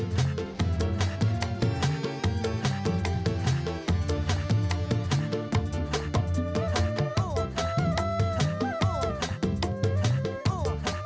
semoga akan di